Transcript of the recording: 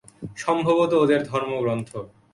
সম্ভবত ওদের ধর্মগ্রন্থ।